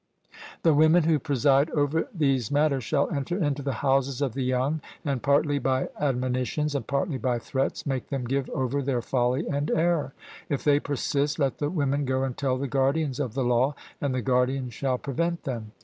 The women who preside over these matters shall enter into the houses of the young, and partly by admonitions and partly by threats make them give over their folly and error: if they persist, let the women go and tell the guardians of the law, and the guardians shall prevent them.